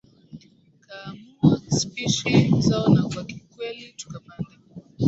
kuamua spishi zao na kwa kweli tukapanda